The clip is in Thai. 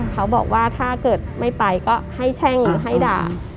เขาบอกว่าถ้าเกิดไม่ไปก็ให้แช่งให้ด่า